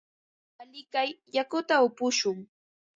Alikay yakuta upushun.